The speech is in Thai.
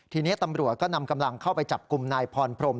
ทีนี้ตำรวจก็นำกำลังเข้าไปจับกลุ่มนายพรพรม